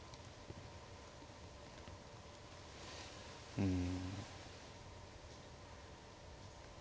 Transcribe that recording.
うん。